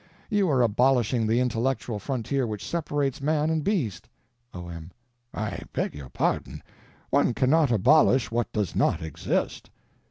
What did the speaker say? you are abolishing the intellectual frontier which separates man and beast. O.M. I beg your pardon. One cannot abolish what does not exist.